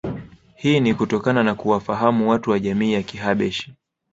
Hii ni kutokana na kuwafahamu watu wa jamii ya Kihabeshi